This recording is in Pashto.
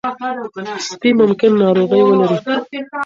سپي ممکن ناروغي ولري.